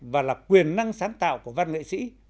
và là quyền năng sáng tạo của văn nghệ sĩ